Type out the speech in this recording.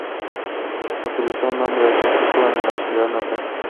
Utilizó como nombre artístico el de su ciudad natal.